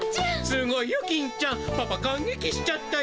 すごいよ金ちゃん。パパ感げきしちゃったよ。